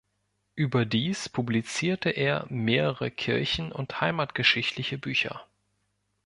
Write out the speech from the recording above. Überdies publizierte er mehrere kirchen- und heimatgeschichtliche Bücher.